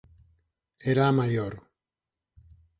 Era a maior.